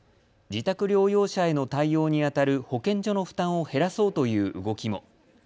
自宅療養者への対応にあたる保健所の負担を減らそうという動きも。